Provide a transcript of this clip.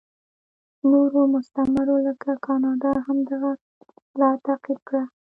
نورو مستعمرو لکه کاناډا هم دغه لار تعقیب کړه.